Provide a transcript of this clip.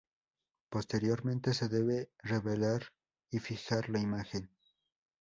Posteriormente se debe revelar y fijar la imagen.